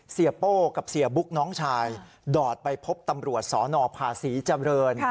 เสียโป้กับเสียบุ๊กน้องชายดอดไปพบตำรวจสอนอพาศรีจำเริน